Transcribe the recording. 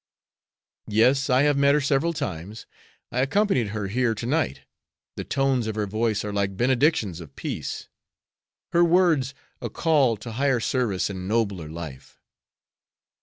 "Yes; I have met her several times. I accompanied her here to night. The tones of her voice are like benedictions of peace; her words a call to higher service and nobler life."